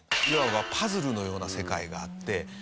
いわばパズルのような世界があって。